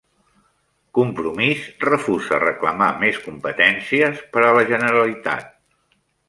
Compromís refusa reclamar més competències per a la Generalitat